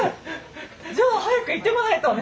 じゃあ早く行ってこないとね。